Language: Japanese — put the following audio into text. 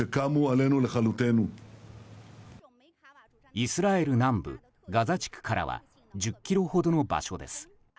イスラエル南部ガザ地区からは１０ｋｍほどの場所です。